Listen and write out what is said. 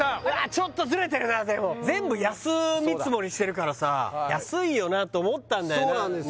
ちょっとズレてるなでも全部安見積もりしてるからさ安いよなと思ったんだよなそうなんですよ